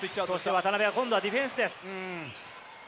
今度はディフェンスです。